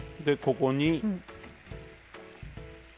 でここに。